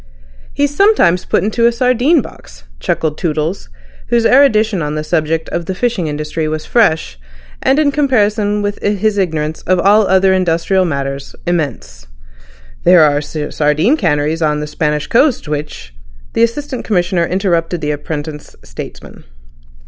"He's sometimes put into a sardine box," chuckled Toodles, whose erudition on the subject of the fishing industry was fresh and, in comparison with his ignorance of all other industrial matters, immense. "There are sardine canneries on the Spanish coast which—" The Assistant Commissioner interrupted the apprentice statesman.